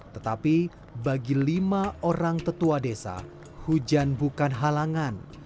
tetapi bagi lima orang tetua desa hujan bukan halangan